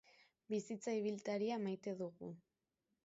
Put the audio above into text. Bizitza ibiltaria maite dugu.